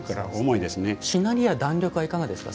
しなりや弾力はいかがですか。